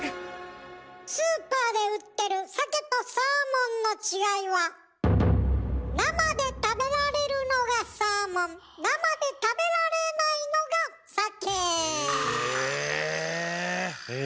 スーパーで売ってる鮭とサーモンの違いは生で食べられるのがサーモン生で食べられないのが鮭。